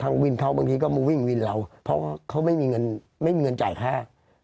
ทางวินเขาบางทีก็มาวิ่งวินเราเพราะเขาไม่มีเงินจ่ายค่า